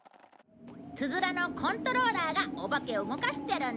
ツヅラのコントローラーがお化けを動かしてるんだ。